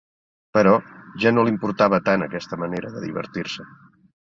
Però ja no l'importava tant aquesta manera de divertir-se.